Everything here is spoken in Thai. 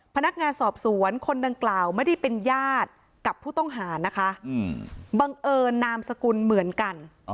พนักงานสอบสวนคนดังกล่าวไม่ได้เป็นญาติกับผู้ต้องหานะคะ